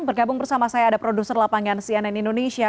bergabung bersama saya ada produser lapangan cnn indonesia